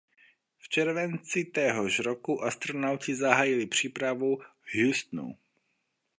V červenci téhož roku astronauti zahájili přípravu v Houstonu.